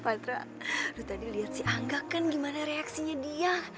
patra lo tadi liat si angga kan gimana reaksinya dia